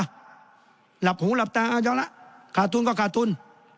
หลับหูหลับตาเอาละขาดทุนก็ขาดทุน